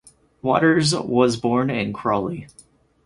Waters was born in Crawley.